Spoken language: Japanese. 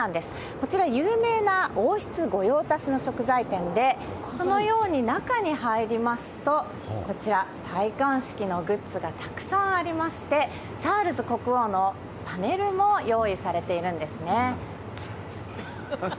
こちら、有名な王室御用達の食材店で、このように中に入りますと、こちら、戴冠式のグッズがたくさんありまして、チャールズ国王のパネルも用意されているんですね。